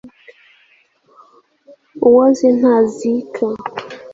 uwoze ntazika